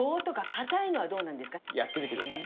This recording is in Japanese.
あとほらやってみてください。